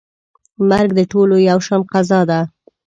مرګ د ټولو یو شان قضا ده.